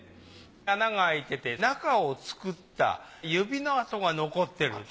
穴が開いてて中を作った指の跡が残ってる。